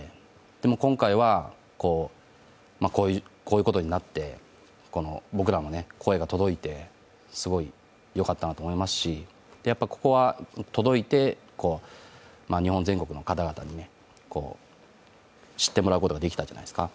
でも今回はこういうことになって、僕らの声も届いて、すごいよかったなと思いますし、やっぱ、ここは届いて、日本全国の方々に知ってもらうことができたんじゃないですか。